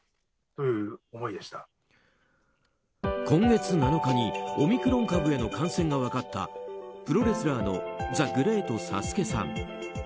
今月７日にオミクロン株への感染が分かったプロレスラーのザ・グレート・サスケさん。